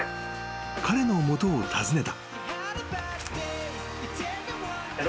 ［彼の元を訪ねた］